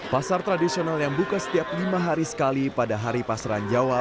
pasar tradisional yang buka setiap lima hari sekali pada hari pasaran jawa